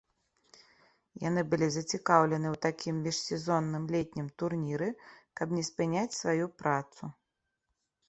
Яны былі зацікаўлены ў такім міжсезонным летнім турніры, каб не спыняць сваю працу.